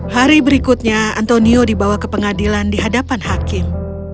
hari berikutnya antonio dibawa ke pengadilan di hadapan hakim